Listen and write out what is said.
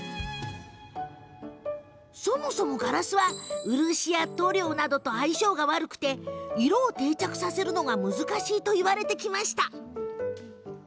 そもそもガラスは漆や塗料などと相性が悪く色を定着させるのが難しいといわれてきました。